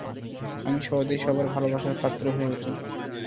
আমি সহজেই সবার ভালোবাসার পাত্র হয়ে উঠি।